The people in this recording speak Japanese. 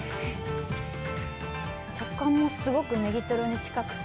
食感もすごくネギトロに近くて